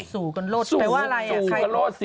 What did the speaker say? สู้กันโลดมันเป็นว่าอะไรสู้กันโลดซิ